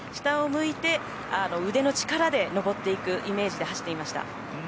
下を向いて腕の力で上っていくイメージで走っていました。